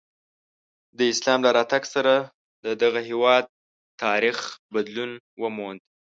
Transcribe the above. د اسلام له راتګ سره د دغه هېواد تاریخ بدلون وموند.